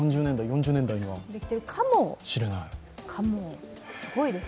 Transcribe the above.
２０３０年代、２０４０年代にはできるかもしれない。